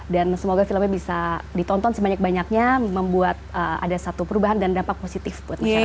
dan semoga filmnya bisa ditonton sebanyak banyaknya membuat ada satu perubahan dan dampak positif buat masyarakat